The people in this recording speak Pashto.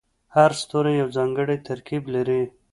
هر ستوری یو ځانګړی ترکیب لري.